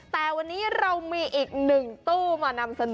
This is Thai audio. แต่วันนี้เรามีอีกหนึ่งตู้มานำเสนอ